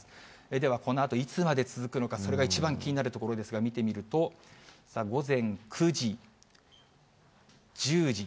では、このあといつまで続くのか、それが一番気になるところですが、見てみると、午前９時、１０時。